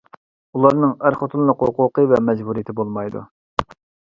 ئۇلارنىڭ ئەر-خوتۇنلۇق ھوقۇقى ۋە مەجبۇرىيىتى بولمايدۇ.